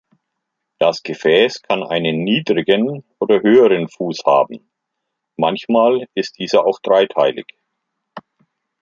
Das Gefäß kann einen niedrigen oder höheren Fuß haben; manchmal ist dieser auch dreiteilig.